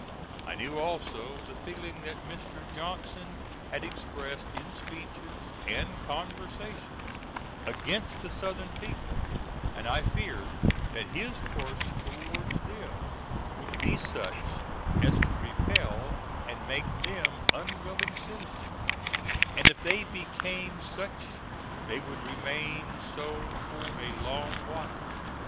I knew also the feeling that Mr. Johnson had expressed in speeches and conversation against the Southern people, and I feared that his course towards them would be such as to repel, and make them unwilling citizens; and if they became such they would remain so for a long while.